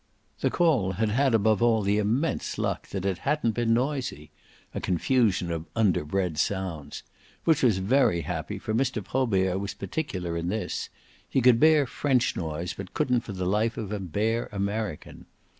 The call had had above all the immense luck that it hadn't been noisy a confusion of underbred sounds; which was very happy, for Mr. Probert was particular in this: he could bear French noise but couldn't for the life of him bear American.